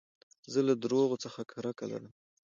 زه له درواغو څخه کرکه لرم.